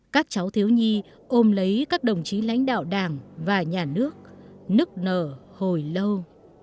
các cháu thiếu nhi ôm lấy các đồng chí lãnh đạo đảng và nhà nước nức nở hồi lâu